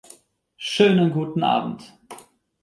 Schönen guten Abend.